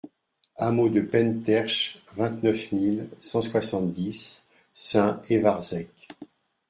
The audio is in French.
Hameau de Pentérc'h, vingt-neuf mille cent soixante-dix Saint-Évarzec